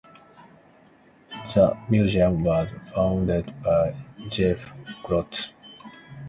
The museum was founded by Jeff Klotz.